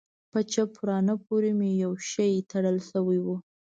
په چپ ورانه پورې مې يو شى تړل سوى و.